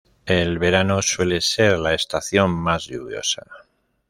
El verano suele ser la estación más lluviosa.